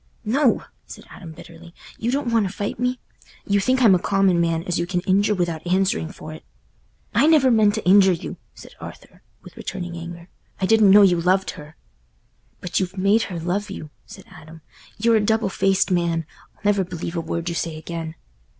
"No," said Adam, bitterly; "you don't want to fight me—you think I'm a common man, as you can injure without answering for it." "I never meant to injure you," said Arthur, with returning anger. "I didn't know you loved her." "But you've made her love you," said Adam. "You're a double faced man—I'll never believe a word you say again."